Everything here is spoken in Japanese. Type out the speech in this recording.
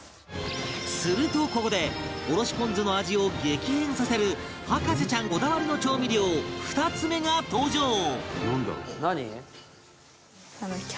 するとここでおろしポン酢の味を激変させる博士ちゃんこだわりの調味料２つ目が登場